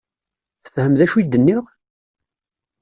Tefhem d acu i d-nniɣ?